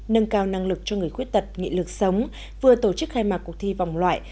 nâng cao năng lực cho người khuyết tật nghị lực sống vừa tổ chức khai mạc cuộc thi vòng loại